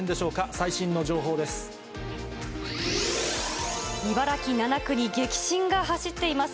最新の情報です。